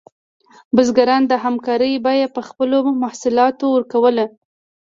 بزګران د همکارۍ بیه په خپلو محصولاتو ورکوله.